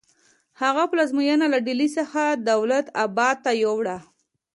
هغه پلازمینه له ډیلي څخه دولت اباد ته یوړه.